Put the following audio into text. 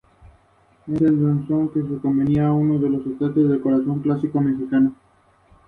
Los frutos son pequeños, amarillos o anaranjados y persisten varios meses en la planta.